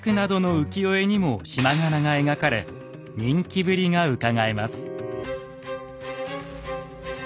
浮世絵にも縞柄が描かれ人気ぶりがうかがえます。